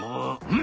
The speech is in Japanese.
ん？